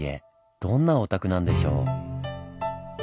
どんなお宅なんでしょう。